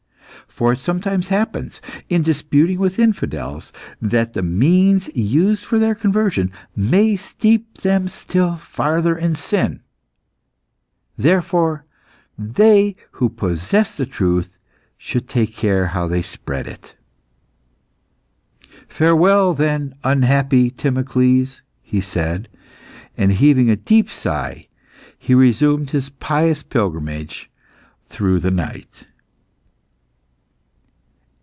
For it sometimes happens, in disputing with infidels, that the means used for their conversion may steep them still farther in sin. Therefore they who possess the truth should take care how they spread it. "Farewell, then, unhappy Timocles," he said; and heaving a deep sigh, he resumed his pious pilgrimage through the night.